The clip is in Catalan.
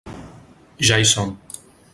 Ja hi som.